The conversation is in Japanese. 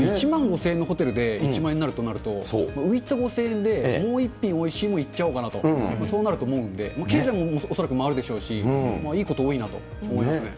１万５０００円のホテルで１万になるとなると、浮いた５０００円でもう１品、おいしいものいっちゃおうかなと、そうなると思うんで、経済も恐らく回るでしょうし、いいこと多いなと思いますね。